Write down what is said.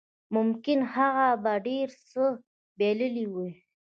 ممکن هغه به ډېر څه بایللي وای